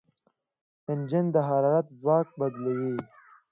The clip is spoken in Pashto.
انجن د حرارت ځواک بدلوي.